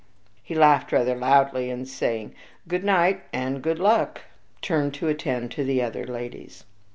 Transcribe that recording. He laughed rather loudly, and saying "Good night, and good luck," turned to attend to the other ladies.